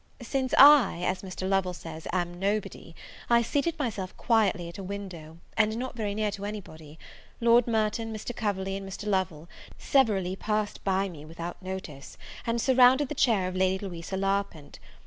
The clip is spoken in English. Since I, as Mr. Lovel says, am Nobody, I seated myself quietly at a window, and not very near to any body: Lord Merton, Mr. Coverley, and Mr. Lovel, severally passed me without notice, and surrounded the chair of Lady Louisa Larpent.